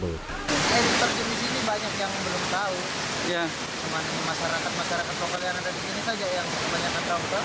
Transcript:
banyak yang belum tahu masyarakat masyarakat